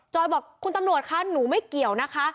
บอกคุณตำรวจคะหนูไม่เกี่ยวนะคะ